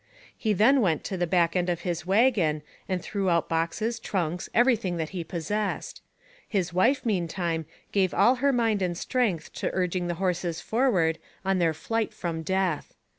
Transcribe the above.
He then went to the back end of his wagon and threw out boxes, trunks, every thing that he possessed. His wife meantime gave all her mind and strength to urg ing the horses forward on their flight from death.